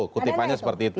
kutipannya seperti itu